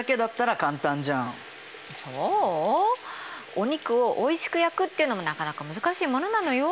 お肉をおいしく焼くっていうのもなかなか難しいものなのよ。